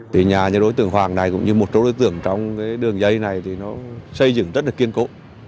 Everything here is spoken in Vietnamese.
từ nhà như đối tượng hoàng này cũng như một số đối tượng trong đường dây này thì nó xây dựng rất là kiên cố